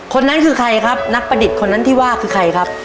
คนนั้นคือใครครับนักประดิษฐ์คนนั้นที่ว่าคือใครครับ